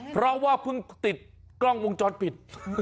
เพราะว่าเพิ่งติดกล้องวงจรปิด